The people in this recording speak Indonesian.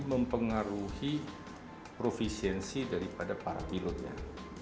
mempengaruhi profisiensi dari para pilotnya